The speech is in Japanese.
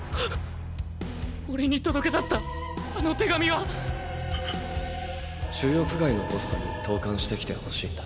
オレに届けさせたあの手紙は⁉収容区外のポストに投函してきてほしいんだ。